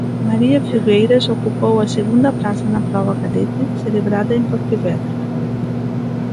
María Filgueiras ocupou a segunda praza na proba cadete celebrada en Pontevedra.